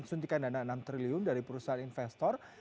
suntikan dana enam triliun dari perusahaan investor